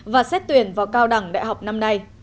và xét tuyển vào cao đẳng đại học năm nay